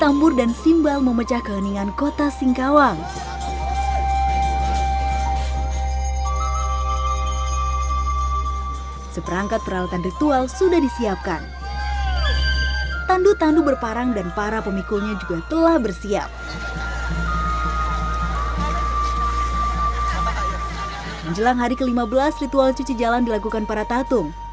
mereka mengambil alat yang menangani kekuasaan